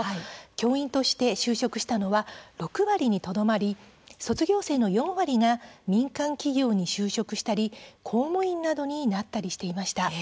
教員として就職したのは６割にとどまり卒業生の４割が民間企業に就職したり公務員などになったりしていました。